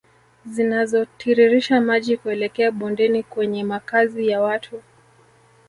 Zinazotiririsha maji kuelekea bondeni kwenye makazi ya watu